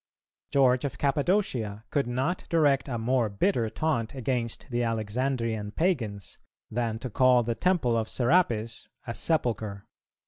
George of Cappadocia could not direct a more bitter taunt against the Alexandrian Pagans than to call the temple of Serapis a sepulchre.